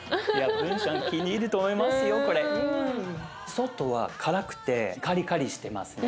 外は辛くてカリカリしてますね。